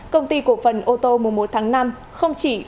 công ty cổ phần ô tô mùa một tháng năm không chỉ không tuân thuộc